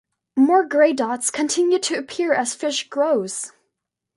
More grey dots continue to appear as fish grows.